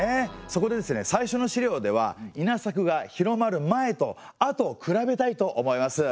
そこでですね最初の資料では稲作が広まる前と後を比べたいと思います。